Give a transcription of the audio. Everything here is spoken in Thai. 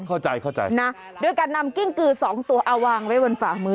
เข้าใจนะโดยการนำกิ้งกือ๒ตัวเอาวางไว้บนฝากมือ